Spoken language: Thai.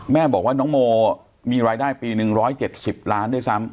แม่บอกว่าน้องโมมีรายได้ปี๑๗๐ล้านด้วยซ้ำ